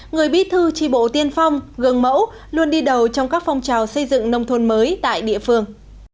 người bí thư tri bộ tiên phong gương mẫu luôn đi đầu trong các phong trào xây dựng nông thôn mới tại địa phương